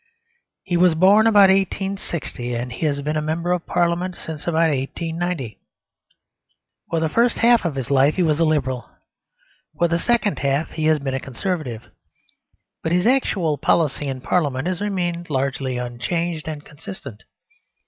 He was born about 1860; and has been a member of Parliament since about 1890. For the first half of his life he was a Liberal; for the second half he has been a Conservative; but his actual policy in Parliament has remained largely unchanged and consistent.